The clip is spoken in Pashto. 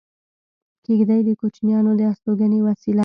کېږدۍ د کوچیانو د استوګنې وسیله ده